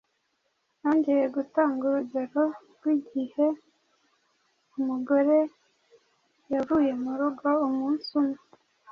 Yongeye gutanga urugero rw’igihe umugore yavuye mu rugo umunsi umwe